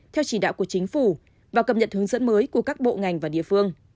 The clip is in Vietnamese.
theo chỉ đạo của chính phủ và cập nhật hướng dẫn mới của các bộ ngành và địa phương